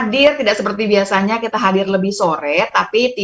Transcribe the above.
pakai masker harga mati